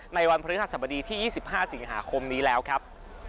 วันพฤหัสบดีที่๒๕สิงหาคมนี้แล้วครับ